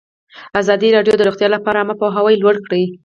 ازادي راډیو د روغتیا لپاره عامه پوهاوي لوړ کړی.